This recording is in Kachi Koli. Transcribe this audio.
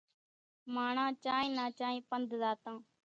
ماڻۿان چانئين نان چانئين پنڌ زاتان۔